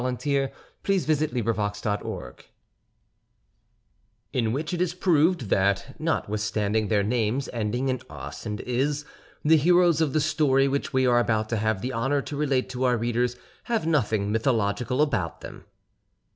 CONCLUSION EPILOGUE AUTHOR'S PREFACE In which it is proved that, notwithstanding their names' ending in os and is, the heroes of the story which we are about to have the honor to relate to our readers have nothing mythological about them.